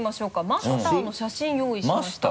マスターの写真用意しました